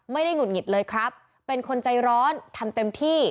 หงุดหงิดเลยครับเป็นคนใจร้อนทำเต็มที่